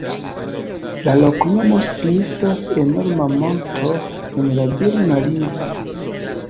La loknomo signifas "enorma monto" en la birma lingvo.